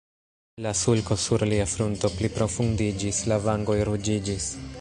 La sulko sur lia frunto pli profundiĝis, la vangoj ruĝiĝis.